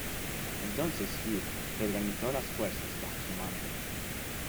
Entonces Hube reorganizó las fuerzas bajo su mando.